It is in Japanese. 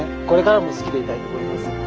これからも好きでいたいと思います。